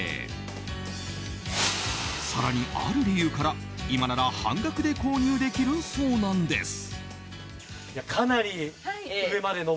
更にある理由から、今なら半額で購入できるそうなんです。